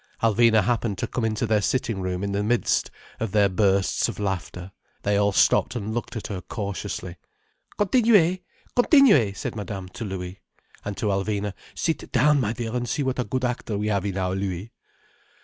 Alvina happened to come into their sitting room in the midst of their bursts of laughter. They all stopped and looked at her cautiously. "Continuez! Continuez!" said Madame to Louis. And to Alvina: "Sit down, my dear, and see what a good actor we have in our Louis."